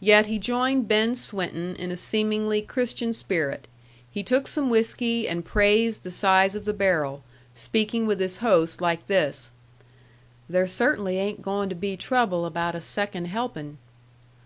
Yet he joined Ben Swinton in a seemingly Christian spirit. He took some whiskey and praised the size of the barrel, speaking with his host like this: "There cert'nly ain' goin' to be trouble about a second helpin'."